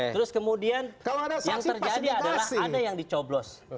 terus kemudian yang terjadi adalah ada yang dicoblos